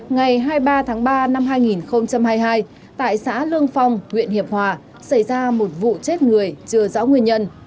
ngày hai mươi ba tháng ba năm hai nghìn hai mươi hai tại xã lương phong huyện hiệp hòa xảy ra một vụ chết người chưa rõ nguyên nhân